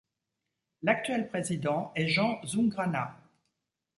L'actuel président est Jean Zoungrana.